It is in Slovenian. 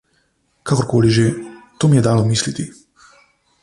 Kakorkoli že, to mi je dalo misliti.